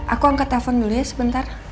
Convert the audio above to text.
aku angkat telepon dulu ya sebentar